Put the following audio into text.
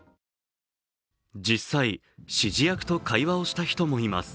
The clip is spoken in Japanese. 実際、指示役と会話をした人もいます。